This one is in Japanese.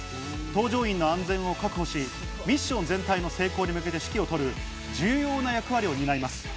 搭乗員の安全を確保し、ミッション全体の成功に向けて指揮を執る重要な役割を担います。